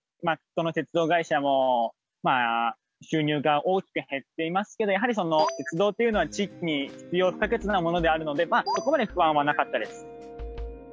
まあどの鉄道会社も収入が大きく減っていますけどやはりその鉄道というのは地域に必要不可欠なものであるのでそこまで不安はなかったです。